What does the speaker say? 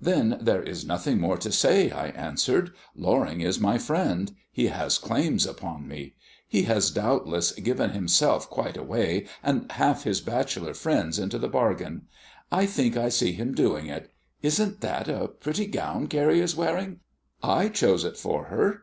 "Then there is nothing more to say," I answered. "Loring is my friend he has claims upon me. He has, doubtless, given himself quite away, and half his bachelor friends into the bargain. I think I see him doing it. Isn't that a pretty gown Carrie is wearing? I chose it for her."